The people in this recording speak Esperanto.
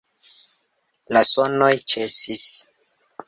La sonoj ĉesis.